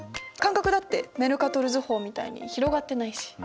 間隔だってメルカトル図法みたいに広がってないし。